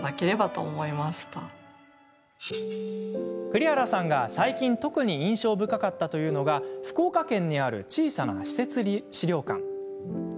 栗原さんが最近特に印象深かったというのが福岡県にある小さな私設資料館。